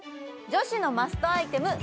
女子のマストアイテム